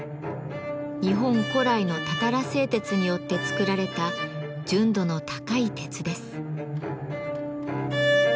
日本古来のたたら製鉄によって作られた純度の高い鉄です。